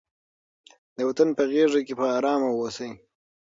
د وطن په غېږ کې په ارامه اوسئ.